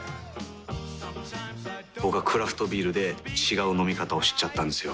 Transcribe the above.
僕はクラフトビールで違う飲み方を知っちゃったんですよ。